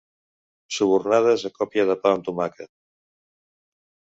Subornades a còpia de pa amb tomàquet.